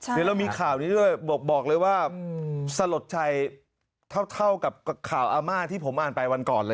เดี๋ยวเรามีข่าวนี้ด้วยบอกเลยว่าสลดใจเท่ากับข่าวอาม่าที่ผมอ่านไปวันก่อนเลย